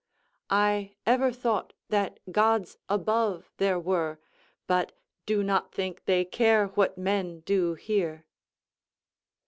"I ever thought that gods above there were, But do not think they care what men do here."